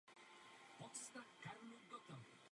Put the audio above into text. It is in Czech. Ráda bych ujasnila jednu věc.